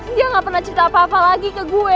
dia gak pernah cerita apa apa lagi ke gue